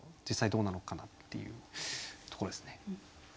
実際どうなのかなっていうところですね。